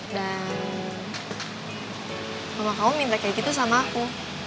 dan mama kamu minta kayak gitu sama aku